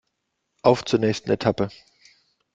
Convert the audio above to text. Auf zur nächsten Etappe!